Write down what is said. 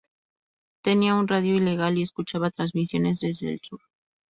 Tenía una radio ilegal y escuchaba transmisiones desde el Sur.